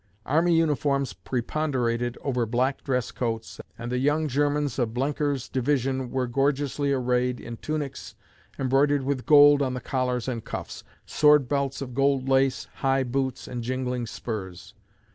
"Army uniforms preponderated over black dress coats, and the young Germans of Blenker's division were gorgeously arrayed in tunics embroidered with gold on the collars and cuffs, sword belts of gold lace, high boots, and jingling spurs."